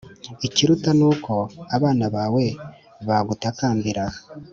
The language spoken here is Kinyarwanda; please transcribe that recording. ikiruta ari uko abana bawe bagutakambira,